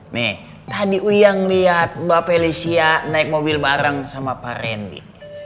nih tadi uyang lihat mbak felicia naik mobil bareng sama pak randy